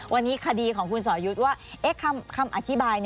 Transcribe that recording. วันนี้คดีของคุณสอยุทธ์ว่าคำอธิบาย